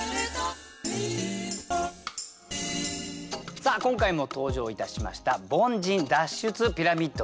さあ今回も登場いたしました凡人脱出ピラミッドです。